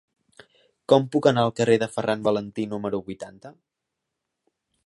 Com puc anar al carrer de Ferran Valentí número vuitanta?